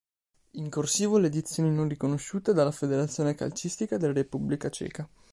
In "corsivo" le edizioni non riconosciute dalla federazione calcistica della Repubblica Ceca.